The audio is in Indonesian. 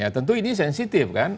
tentu ini sensitif kan